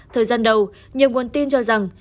thời gian đầu nhiều nguồn tin cho rằng